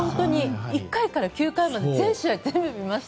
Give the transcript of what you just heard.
１回から９回まで全試合、全部見ました。